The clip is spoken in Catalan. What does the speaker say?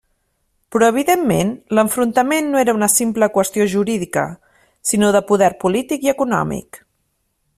Però, evidentment, l'enfrontament no era una simple qüestió jurídica, sinó de poder polític i econòmic.